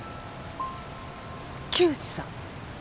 木内さん